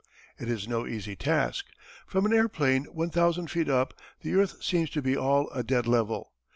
It is no easy task. From an airplane one thousand feet up the earth seems to be all a dead level.